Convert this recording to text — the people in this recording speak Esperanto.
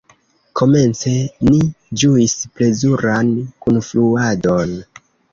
Komence ni ĝuis plezuran kunfluadon.